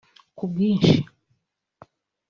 “Ku bwinshi”